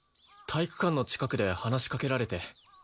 体育館の近くで話しかけられて。